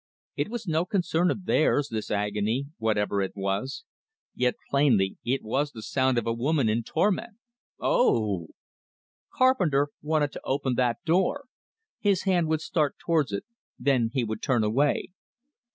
It was no concern of theirs, this agony, whatever it was. Yet, plainly, it was the sound of a woman in torment: "O o o o o o o o oh!" Carpenter wanted to open that door. His hand would start towards it; then he would turn away.